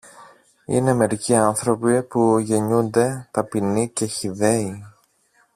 Είναι μερικοί άνθρωποι που γεννιούνται ταπεινοί και χυδαίοι.